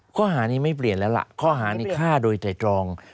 ข้อหานี้ไม่เปลี่ยนแล้วล่ะข้อหานี้ฆ่าโดยไตรตรอง